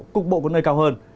cục bộ có nơi cao hơn